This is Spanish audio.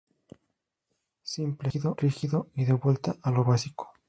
Simple, rígido, y de vuelta a lo básico.